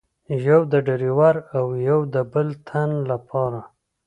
یوه د ډریور او یوه د بل تن له پاره.